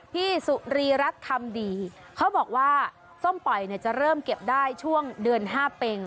พี่สุรีรัฐคำดีเขาบอกว่าส้มปล่อยเนี่ยจะเริ่มเก็บได้ช่วงเดือน๕เป็ง